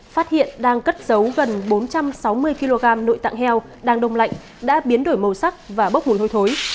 phát hiện đang cất giấu gần bốn trăm sáu mươi kg nội tạng heo đang đông lạnh đã biến đổi màu sắc và bốc mùi hôi thối